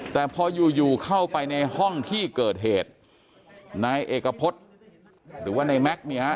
แต่พออยู่อยู่เข้าไปในห้องที่เกิดเหตุนายเอกพฤษหรือว่าในแม็กซ์เนี่ยฮะ